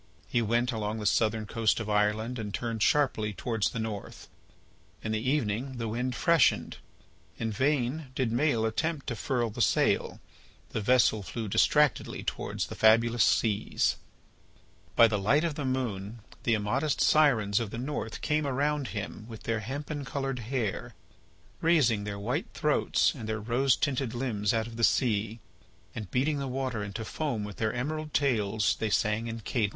He went along the southern coast of Ireland and turned sharply towards the north. In the evening the wind freshened. In vain did Maël attempt to furl the sail. The vessel flew distractedly towards the fabulous seas. By the light of the moon the immodest sirens of the North came around him with their hempen coloured hair, raising their white throats and their rose tinted limbs out of the sea; and beating the water into foam with their emerald tails, they sang in cadence: Whither go'st thou, gentle Maël, In thy trough distracted?